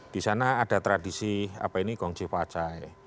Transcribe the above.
di sana ada tradisi gongji pacai